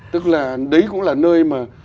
tức là đấy cũng là nơi mà